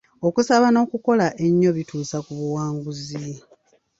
Okusaba n'okukola ennyo bituusa ku buwanguzi.